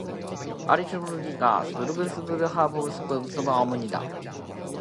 足球就是這樣的,贏梗一凹,好波不妨一睇再睇